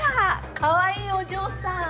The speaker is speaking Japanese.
かわいいお嬢さん。